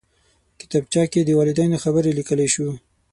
کتابچه کې د والدینو خبرې لیکلی شو